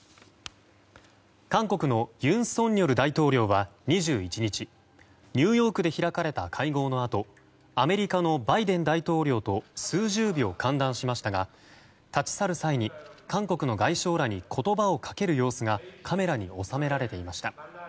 韓国の尹錫悦大統領は２１日ニューヨークで開かれた会合のあとアメリカのバイデン大統領と数十秒歓談しましたが立ち去る際に韓国の外相らに言葉をかける様子がカメラに収められていました。